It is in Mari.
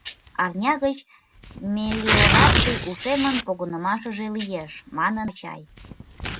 Арня гыч мелиораций ушемын погынымашыже лиеш, — манын Вачай.